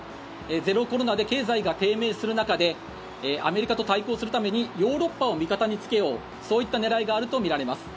ゼロコロナで経済が低迷する中でアメリカと対抗するためにヨーロッパを味方につけようそういった狙いがあるとみられます。